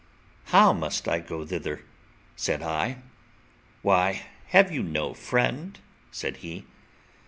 "How must I go thither?" said I. "Why, have you no friend?" said he.